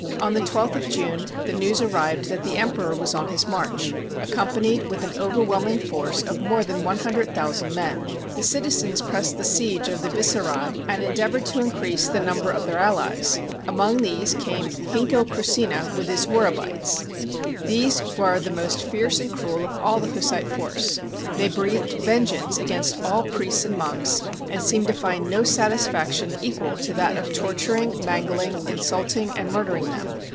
On the 12th of June the news arrived that the Emperor was on his march, accompanied with an overwhelming force of more than 100,000 men. The citizens pressed the siege of the Visse hrad, and endeavored to increase the number of their allies. Among these came Hinko Krussina, with his Horebites. These were the most fierce and cruel of all the Hussite force. They breathed vengeance against all priests and monks, and seemed to find no satisfaction equal to that of torturing, mangling, insulting, and mur dering them.